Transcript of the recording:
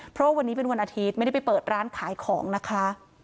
เพราะวันนี้เป็นวันอาทิตย์ไม่ได้ไปเปิดร้านขายของนะคะ